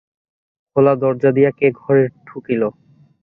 খোলা দরজা দিয়া কে ঘরে ঢুকিল।